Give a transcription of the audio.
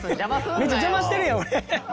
めっちゃ邪魔してるやん。